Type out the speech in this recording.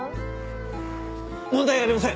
問題ありません。